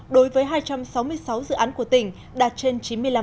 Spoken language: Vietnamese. đối với hai trăm sáu mươi sáu dự án của tỉnh đạt trên chín mươi năm